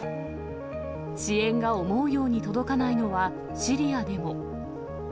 支援が思うように届かないのは、シリアでも。